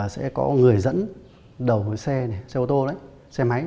sẽ có người dẫn đầu xe ô tô đấy xe máy